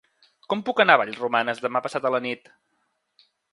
Com puc anar a Vallromanes demà passat a la nit?